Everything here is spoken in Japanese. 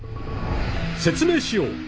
説明しよう。